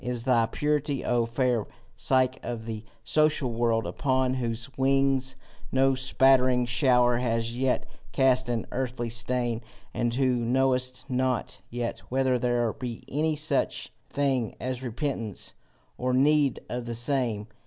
Is thy purity, O fair Psyche of the social world, upon whose wings no spattering shower has yet cast an earthy stain, and who knowest not yet whether there be any such thing as repentance or need of the same!